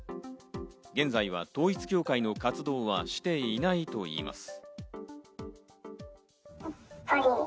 現在は統一教会の活動はしていないと言います。